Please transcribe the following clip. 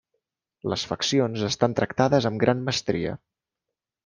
Les faccions estan tractades amb gran mestria.